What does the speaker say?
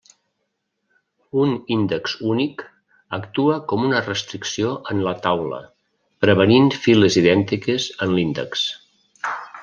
Un índex únic actua com una restricció en la taula prevenint files idèntiques en l'índex.